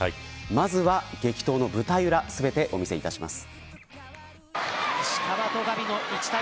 まずは激闘の舞台裏全てお見せいたします。